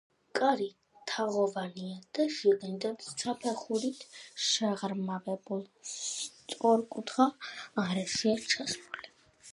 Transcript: კარი თაღოვანია და შიგნიდან საფეხურით შეღრმავებულ, სწორკუთხა არეშია ჩასმული.